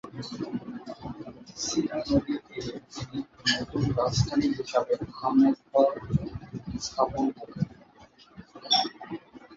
সিনা নদীর তীরে তিনি নতুন রাজধানী হিসেবে আহমেদনগর স্থাপন করেন।